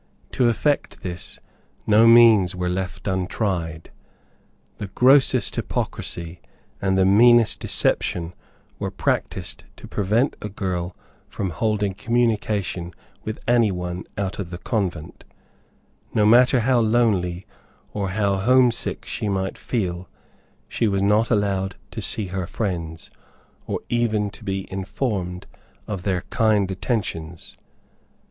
To effect this, no means were left untried. The grossest hypocricy, and the meanest deception were practised to prevent a girl from holding communication with any one out of the convent No matter how lonely, or how homesick she might feel, she was not allowed to see her friends, or even to be informed of their kind attentions.